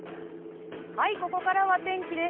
はい、ここからは天気です。